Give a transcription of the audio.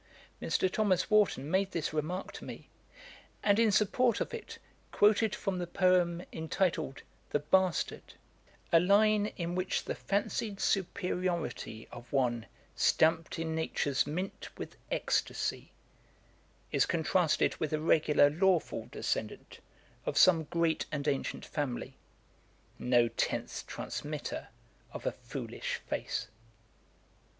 Mr. Thomas Warton made this remark to me; and, in support of it, quoted from the poem entitled The Bastard, a line, in which the fancied superiority of one 'stamped in Nature's mint with extasy,' is contrasted with a regular lawful descendant of some great and ancient family: 'No tenth transmitter of a foolish face.'